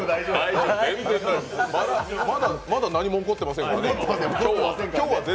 まだ何も起こってませんからね今日は。